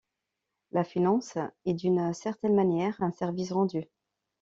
La finance est d'une certaine manière un service rendu.